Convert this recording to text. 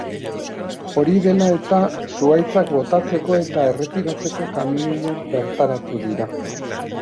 Hori dela eta, zuhaitzak botatzeko eta erretiratzeko kamioiak bertaratu dira.